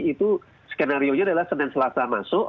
itu skenario nya adalah senin selasa masuk